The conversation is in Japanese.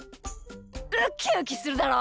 ウキウキするだろ？